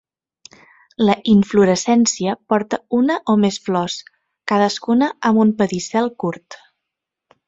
La inflorescència porta una o més flors, cadascuna amb un pedicel curt.